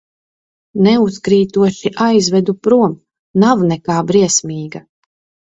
Neuzkrītoši aizvedu prom, nav nekā briesmīga.